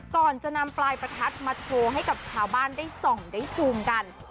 ก่อนจะนำปลายประทัดมาโชว์ให้กับชาวบ้านได้ส่องได้ซูมกัน